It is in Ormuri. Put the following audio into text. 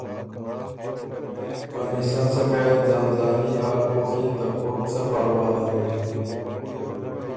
کانی سن صبا يې ځان ځاني هۀ کوک يې ترکوک څۀ پاروا دَرِن۔